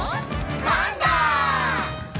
「パンダ！」